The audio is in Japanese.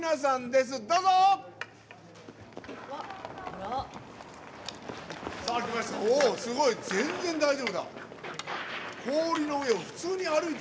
すごい、全然大丈夫だ。